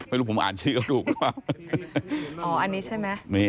อันนี้ใช่ไหม